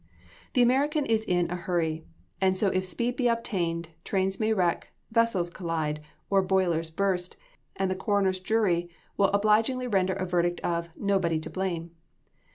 The American is in a hurry: and so if speed be obtained, trains may wreck, vessels collide, or boilers burst, and the coroner's jury will obligingly render a verdict of "nobody to blame."